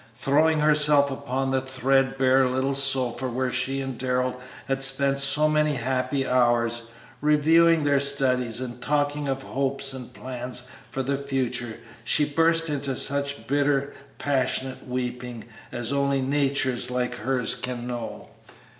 Throwing herself upon the threadbare little sofa where she and Darrell had spent so many happy hours reviewing their studies and talking of hopes and plans for the future, she burst into such bitter, passionate weeping as only natures like hers can know.